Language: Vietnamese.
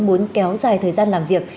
muốn kéo dài thời gian làm việc